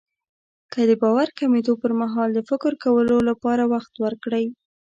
که د باور کمېدو پرمهال د فکر کولو لپاره وخت ورکړئ.